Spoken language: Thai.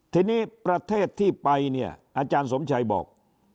ทีนี้ประเทศที่ไปเนี่ยอาจารย์สมชัยบอก